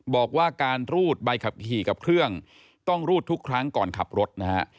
บอกว่าการรูดใบขับขี่กับเครื่องต้องรูดทุกครั้งก่อนขับรถนะฮะ